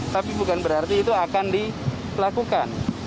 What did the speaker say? tapi bukan berarti itu akan dilakukan